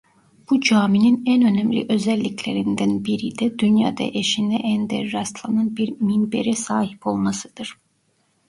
Bu caminin en önemli özelliklerinden biri de dünyada eşine ender rastlanan bir minbere sahip olmasıdır.